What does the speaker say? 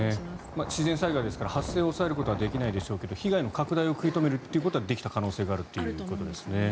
自然災害ですから発生を抑えることはできないかもしれませんが被害を食い止めることはできた可能性があるということですね。